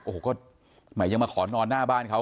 โอ้โหก็แหมยังมาขอนอนหน้าบ้านเขา